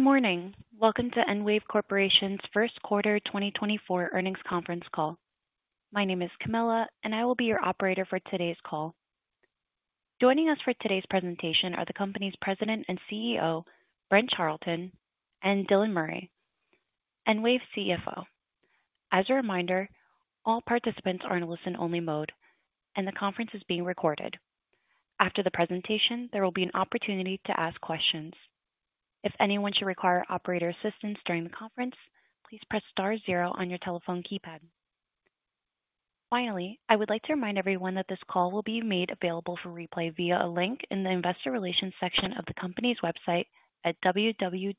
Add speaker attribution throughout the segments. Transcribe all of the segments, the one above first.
Speaker 1: Good morning. Welcome to EnWave Corporation's First Quarter 2024 Earnings Conference Call. My name is Camilla, and I will be your operator for today's call. Joining us for today's presentation are the company's president and CEO, Brent Charleton, and Dylan Murray, EnWave's CFO. As a reminder, all participants are in a listen-only mode, and the conference is being recorded. After the presentation, there will be an opportunity to ask questions. If anyone should require operator assistance during the conference, please press star 0 on your telephone keypad. Finally, I would like to remind everyone that this call will be made available for replay via a link in the investor relations section of the company's website at www.enwave.net.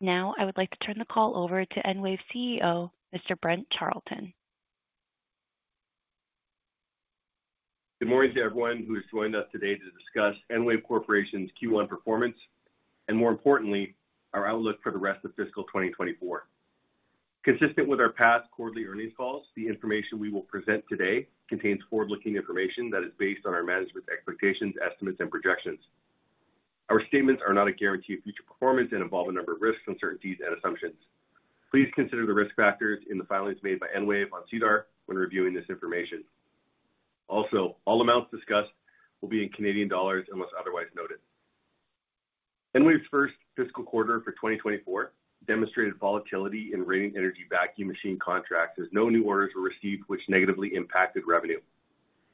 Speaker 1: Now I would like to turn the call over to EnWave's CEO, Mr. Brent Charleton.
Speaker 2: Good morning to everyone who has joined us today to discuss EnWave Corporation's Q1 performance and, more importantly, our outlook for the rest of fiscal 2024. Consistent with our past quarterly earnings calls, the information we will present today contains forward-looking information that is based on our management's expectations, estimates, and projections. Our statements are not a guarantee of future performance and involve a number of risks, uncertainties, and assumptions. Please consider the risk factors in the filings made by EnWave on SEDAR when reviewing this information. Also, all amounts discussed will be in Canadian dollars unless otherwise noted. EnWave's first fiscal quarter for 2024 demonstrated volatility in Radiant Energy Vacuum machine contracts as no new orders were received, which negatively impacted revenue.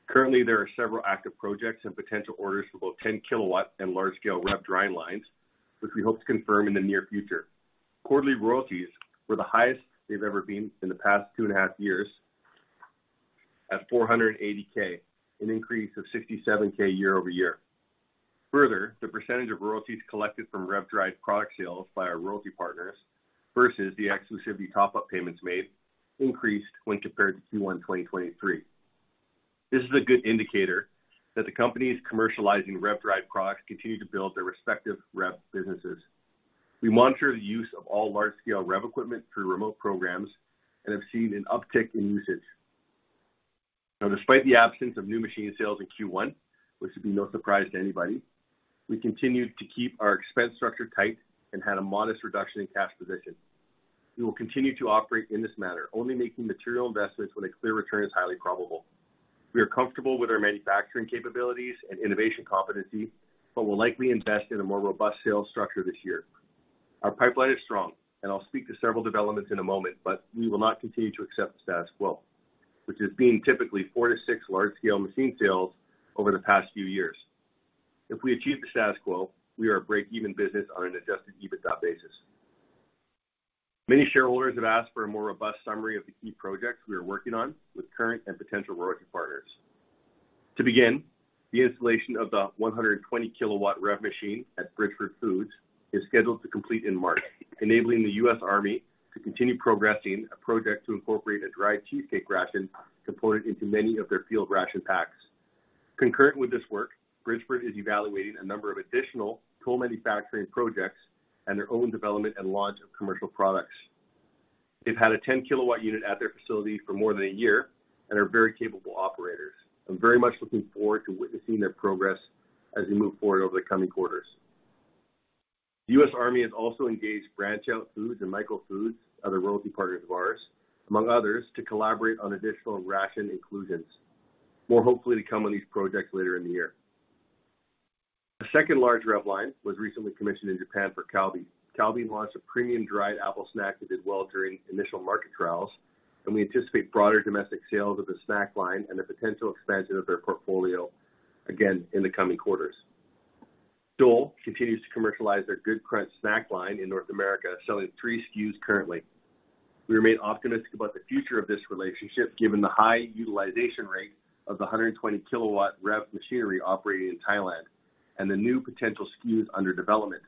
Speaker 2: Currently, there are several active projects and potential orders for both 10-kilowatt and large-scale REV drying lines, which we hope to confirm in the near future. Quarterly royalties were the highest they've ever been in the past two and a half years, at 480,000, an increase of 67,000 year-over-year. Further, the percentage of royalties collected from REV-dried product sales by our royalty partners versus the exclusivity top-up payments made increased when compared to Q1 2023. This is a good indicator that the company is commercializing REV-dried products to continue to build their respective REV businesses. We monitor the use of all large-scale REV equipment through remote programs and have seen an uptick in usage. Now, despite the absence of new machine sales in Q1, which would be no surprise to anybody, we continued to keep our expense structure tight and had a modest reduction in cash position. We will continue to operate in this manner, only making material investments when a clear return is highly probable. We are comfortable with our manufacturing capabilities and innovation competency but will likely invest in a more robust sales structure this year. Our pipeline is strong, and I'll speak to several developments in a moment, but we will not continue to accept the status quo, which is being typically 4-6 large-scale machine sales over the past few years. If we achieve the status quo, we are a break-even business on an Adjusted EBITDA basis. Many shareholders have asked for a more robust summary of the key projects we are working on with current and potential royalty partners. To begin, the installation of the 120-kilowatt REV machine at Bridgford Foods is scheduled to complete in March, enabling the U.S. Army to continue progressing a project to incorporate a dried cheesecake ration component into many of their field ration packs. Concurrent with this work, Bridgford is evaluating a number of additional toll manufacturing projects and their own development and launch of commercial products. They've had a 10-kW unit at their facility for more than a year and are very capable operators. I'm very much looking forward to witnessing their progress as they move forward over the coming quarters. The U.S. Army has also engaged BranchOut Food and Michael Foods, other royalty partners of ours, among others, to collaborate on additional ration inclusions, more hopefully to come on these projects later in the year. A second large REV line was recently commissioned in Japan for Calbee. Calbee launched a premium dried apple snack that did well during initial market trials, and we anticipate broader domestic sales of the snack line and a potential expansion of their portfolio, again, in the coming quarters. Dole continues to commercialize their Good Crunch snack line in North America, selling three SKUs currently. We remain optimistic about the future of this relationship given the high utilization rate of the 120-kW REV machinery operating in Thailand and the new potential SKUs under development.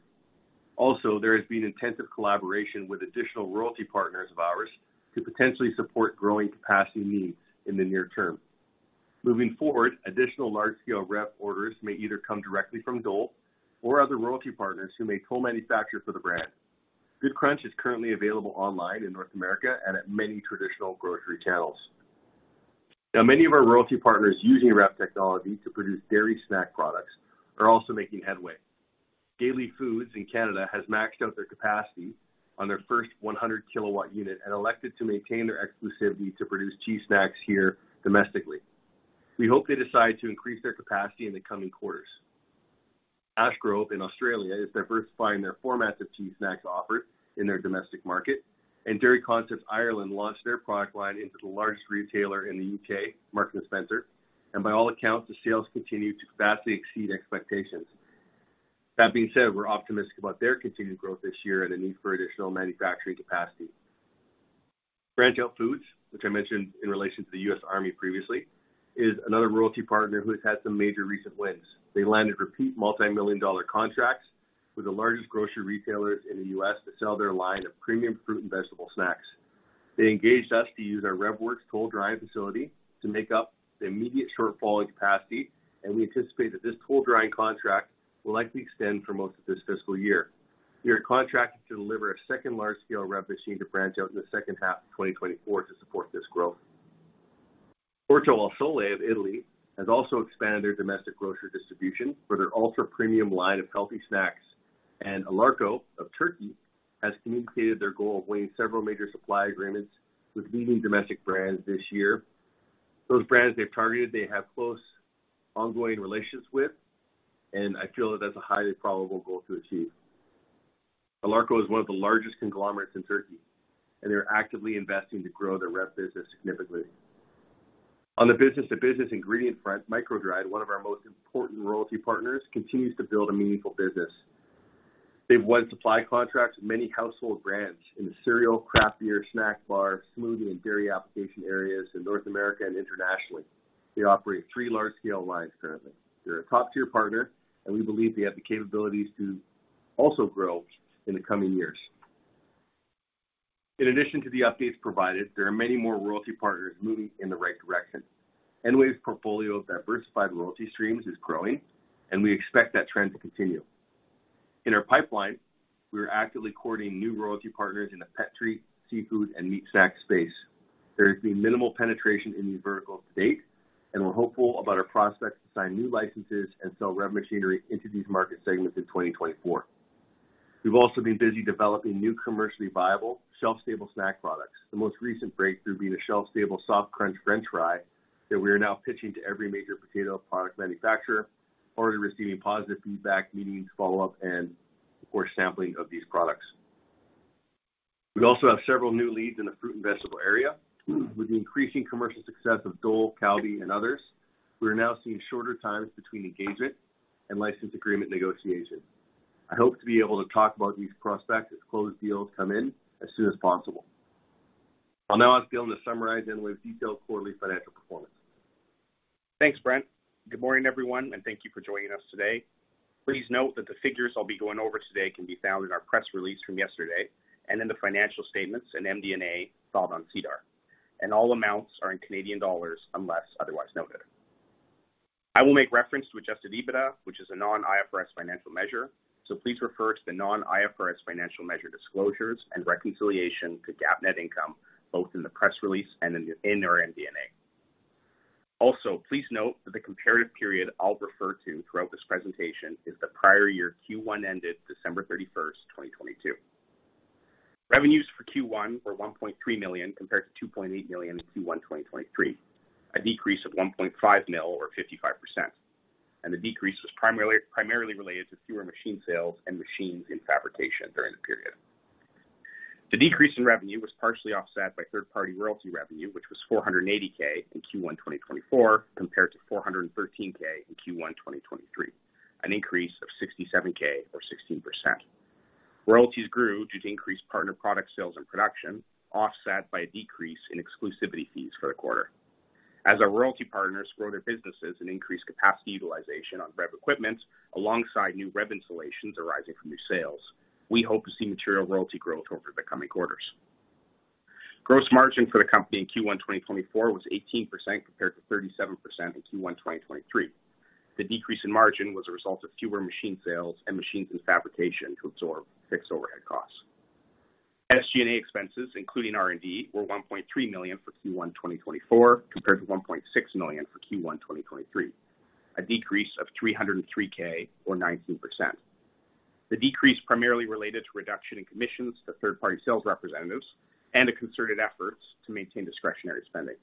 Speaker 2: Also, there has been intensive collaboration with additional royalty partners of ours to potentially support growing capacity needs in the near term. Moving forward, additional large-scale REV orders may either come directly from Dole or other royalty partners who may toll manufacture for the brand. Good Crunch is currently available online in North America and at many traditional grocery channels. Now, many of our royalty partners using REV technology to produce dairy snack products are also making headway. Gay Lea Foods in Canada has maxed out their capacity on their first 100-kW unit and elected to maintain their exclusivity to produce cheese snacks here domestically. We hope they decide to increase their capacity in the coming quarters. Ashgrove Cheese in Australia is diversifying their formats of cheese snacks offered in their domestic market, and Dairy Concepts IRL launched their product line into the largest retailer in the U.K., Marks & Spencer, and by all accounts, the sales continue to vastly exceed expectations. That being said, we're optimistic about their continued growth this year and the need for additional manufacturing capacity. BranchOut Food, which I mentioned in relation to the U.S. Army previously, is another royalty partner who has had some major recent wins. They landed repeat multi-million-dollar contracts with the largest grocery retailers in the U.S. to sell their line of premium fruit and vegetable snacks. They engaged us to use our REVworx toll drying facility to make up the immediate shortfall in capacity, and we anticipate that this toll drying contract will likely extend for most of this fiscal year. We are contracted to deliver a second large-scale REV machine to BranchOut Food in the second half of 2024 to support this growth. Orto al Sole of Italy has also expanded their domestic grocery distribution for their ultra-premium line of healthy snacks, and Alarko of Turkey has communicated their goal of winning several major supply agreements with leading domestic brands this year. Those brands they've targeted they have close ongoing relations with, and I feel that that's a highly probable goal to achieve. Alarko is one of the largest conglomerates in Turkey, and they're actively investing to grow their REV business significantly. On the business-to-business ingredient front, MicroDried, one of our most important royalty partners, continues to build a meaningful business. They've won supply contracts with many household brands in the cereal, craft beer, snack bar, smoothie, and dairy application areas in North America and internationally. They operate three large-scale lines currently. They're a top-tier partner, and we believe they have the capabilities to also grow in the coming years. In addition to the updates provided, there are many more royalty partners moving in the right direction. EnWave's portfolio of diversified royalty streams is growing, and we expect that trend to continue. In our pipeline, we are actively courting new royalty partners in the pet treat, seafood, and meat snack space. There has been minimal penetration in these verticals to date, and we're hopeful about our prospects to sign new licenses and sell REV machinery into these market segments in 2024. We've also been busy developing new commercially viable, shelf-stable snack products, the most recent breakthrough being a shelf-stable soft crunch French fry that we are now pitching to every major potato product manufacturer, already receiving positive feedback, meetings, follow-up, and, of course, sampling of these products. We also have several new leads in the fruit and vegetable area. With the increasing commercial success of Dole, Calbee, and others, we are now seeing shorter times between engagement and license agreement negotiation. I hope to be able to talk about these prospects as closed deals come in as soon as possible. I'll now ask Dylan to summarize EnWave's detailed quarterly financial performance.
Speaker 3: Thanks, Brent. Good morning, everyone, and thank you for joining us today. Please note that the figures I'll be going over today can be found in our press release from yesterday and in the financial statements and MD&A filed on SEDAR, and all amounts are in Canadian dollars unless otherwise noted. I will make reference to adjusted EBITDA, which is a non-IFRS financial measure, so please refer to the non-IFRS financial measure disclosures and reconciliation to GAAP net income both in the press release and in our MD&A. Also, please note that the comparative period I'll refer to throughout this presentation is the prior year Q1 ended December 31st, 2022. Revenues for Q1 were 1.3 million compared to 2.8 million in Q1 2023, a decrease of 1.5 million or 55%, and the decrease was primarily related to fewer machine sales and machines in fabrication during the period. The decrease in revenue was partially offset by third-party royalty revenue, which was 480,000 in Q1 2024 compared to 413,000 in Q1 2023, an increase of 67,000 or 16%. Royalties grew due to increased partner product sales and production, offset by a decrease in exclusivity fees for the quarter. As our royalty partners grow their businesses and increase capacity utilization on REV equipment alongside new REV installations arising from new sales, we hope to see material royalty growth over the coming quarters. Gross margin for the company in Q1 2024 was 18% compared to 37% in Q1 2023. The decrease in margin was a result of fewer machine sales and machines in fabrication to absorb fixed overhead costs. SG&A expenses, including R&D, were 1.3 million for Q1 2024 compared to 1.6 million for Q1 2023, a decrease of 303,000 or 19%. The decrease primarily related to reduction in commissions to third-party sales representatives and to concerted efforts to maintain discretionary spending.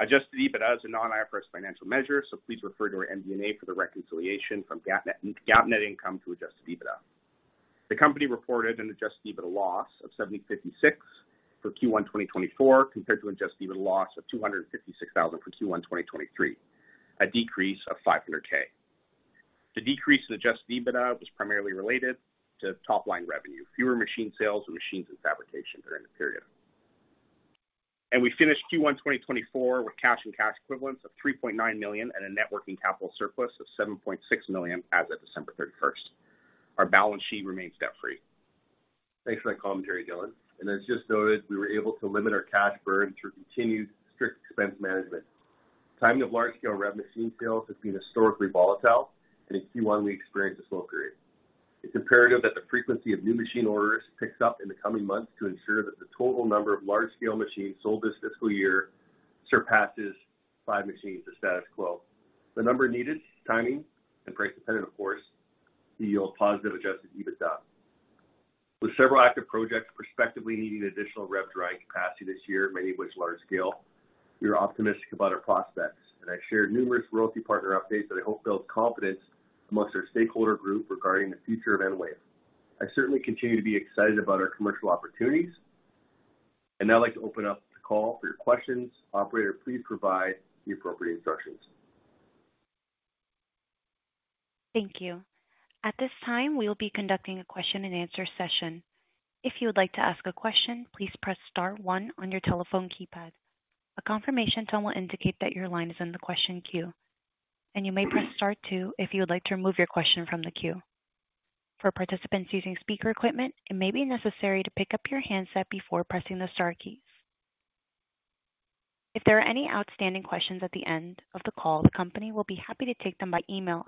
Speaker 3: Adjusted EBITDA is a non-IFRS financial measure, so please refer to our MD&A for the reconciliation from GAAP net income to adjusted EBITDA. The company reported an adjusted EBITDA loss of 70,056 for Q1 2024 compared to an adjusted EBITDA loss of 256,000 for Q1 2023, a decrease of 500,000. The decrease in adjusted EBITDA was primarily related to top-line revenue, fewer machine sales and machines in fabrication during the period. We finished Q1 2024 with cash and cash equivalents of 3.9 million and a net working capital surplus of 7.6 million as of December 31st. Our balance sheet remains debt-free.
Speaker 2: Thanks for that commentary, Dylan. As just noted, we were able to limit our cash burn through continued strict expense management. Timing of large-scale REV machine sales has been historically volatile, and in Q1, we experienced a slow period. It's imperative that the frequency of new machine orders picks up in the coming months to ensure that the total number of large-scale machines sold this fiscal year surpasses five machines the status quo. The number needed, timing, and price-dependent, of course, to yield positive Adjusted EBITDA. With several active projects prospectively needing additional REV drying capacity this year, many of which large-scale, we are optimistic about our prospects, and I shared numerous royalty partner updates that I hope build confidence among our stakeholder group regarding the future of EnWave. I certainly continue to be excited about our commercial opportunities. Now I'd like to open up the call for your questions. Operator, please provide the appropriate instructions.
Speaker 1: Thank you. At this time, we will be conducting a question-and-answer session. If you would like to ask a question, please press star one on your telephone keypad. A confirmation tone will indicate that your line is in the question queue, and you may press star two if you would like to remove your question from the queue. For participants using speaker equipment, it may be necessary to pick up your handset before pressing the star keys. If there are any outstanding questions at the end of the call, the company will be happy to take them by email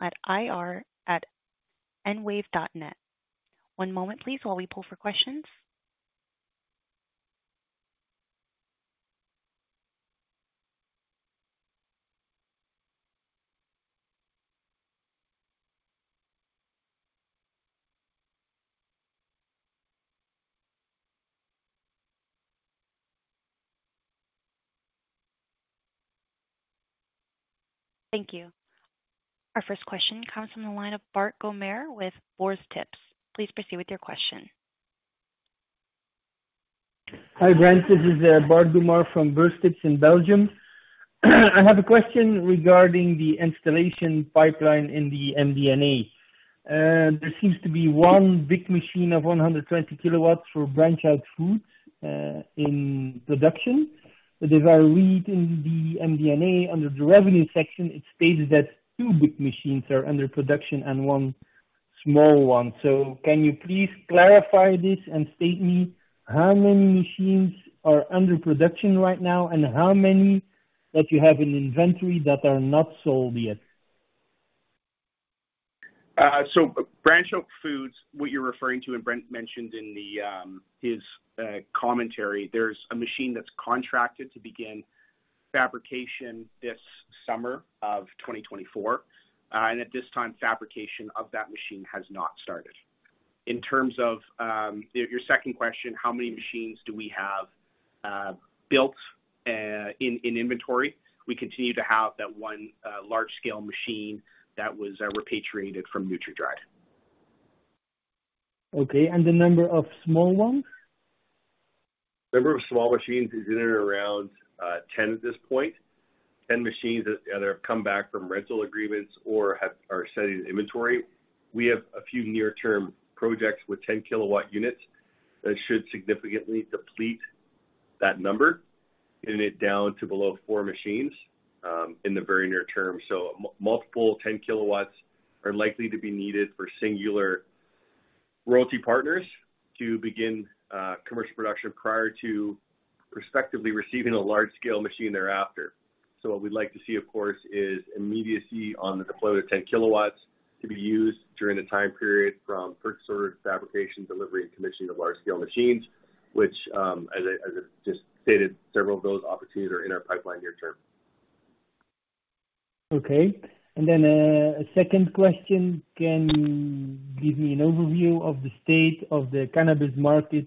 Speaker 1: at ir@enwave.net. One moment, please, while we poll for questions. Thank you. Our first question comes from the line of Bart Goemaere with BeursTips. Please proceed with your question.
Speaker 4: Hi, Brent. This is Bart Goemaere from BeursTips in Belgium. I have a question regarding the installation pipeline in the MD&A. There seems to be 1 big machine of 120 kW for BranchOut Food in production. But if I read in the MD&A, under the revenue section, it states that 2 big machines are under production and 1 small one. So can you please clarify this and tell me how many machines are under production right now and how many that you have in inventory that are not sold yet?
Speaker 3: So BranchOut Food, what you're referring to, and Brent mentioned in his commentary, there's a machine that's contracted to begin fabrication this summer of 2024, and at this time, fabrication of that machine has not started. In terms of your second question, how many machines do we have built in inventory? We continue to have that one large-scale machine that was repatriated from NutriDried.
Speaker 4: Okay. And the number of small ones?
Speaker 2: The number of small machines is in and around 10 at this point, 10 machines that either have come back from rental agreements or are sitting inventory. We have a few near-term projects with 10-kW units that should significantly deplete that number, getting it down to below four machines in the very near term. So multiple 10-kW are likely to be needed for singular royalty partners to begin commercial production prior to prospectively receiving a large-scale machine thereafter. So what we'd like to see, of course, is immediacy on the deployment of 10-kW to be used during the time period from purchase order, fabrication, delivery, and commissioning of large-scale machines, which, as I just stated, several of those opportunities are in our pipeline near term.
Speaker 4: Okay. And then a second question, can you give me an overview of the state of the cannabis market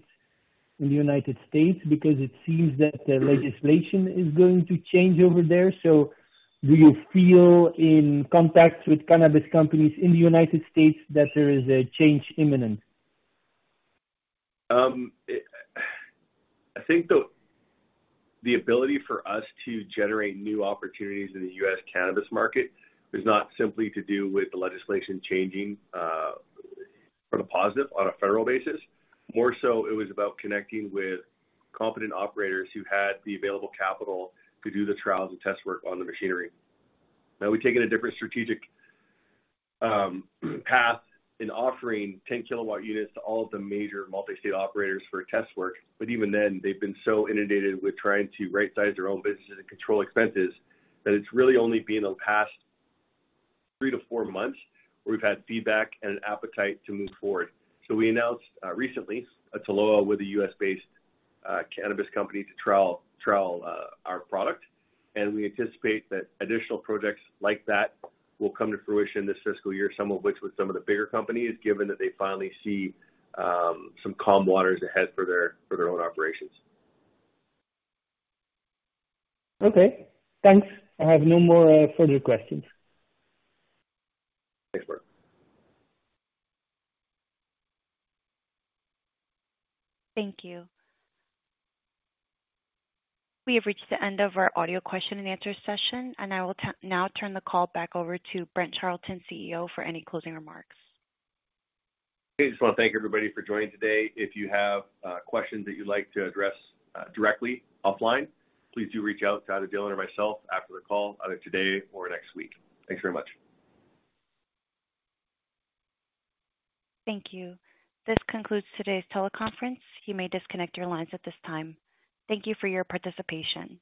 Speaker 4: in the United States? Because it seems that the legislation is going to change over there. So do you feel, in contact with cannabis companies in the United States, that there is a change imminent?
Speaker 2: I think the ability for us to generate new opportunities in the U.S. cannabis market was not simply to do with the legislation changing for the positive on a federal basis. More so, it was about connecting with competent operators who had the available capital to do the trials and test work on the machinery. Now, we've taken a different strategic path in offering 10-kW units to all of the major multi-state operators for test work. But even then, they've been so inundated with trying to right-size their own businesses and control expenses that it's really only been the past 3 months-4 months where we've had feedback and an appetite to move forward. We announced recently a TELOA with a U.S.-based cannabis company to trial our product, and we anticipate that additional projects like that will come to fruition this fiscal year, some of which with some of the bigger companies, given that they finally see some calm waters ahead for their own operations.
Speaker 4: Okay. Thanks. I have no more further questions.
Speaker 2: Thanks, Martin.
Speaker 1: Thank you. We have reached the end of our audio question-and-answer session, and I will now turn the call back over to Brent Charleton, CEO, for any closing remarks.
Speaker 2: Okay. Just want to thank everybody for joining today. If you have questions that you'd like to address directly offline, please do reach out to either Dylan or myself after the call, either today or next week. Thanks very much.
Speaker 1: Thank you. This concludes today's teleconference. You may disconnect your lines at this time. Thank you for your participation.